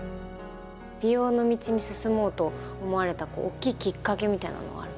美容の道に進もうと思われた大きいきっかけみたいなのはある？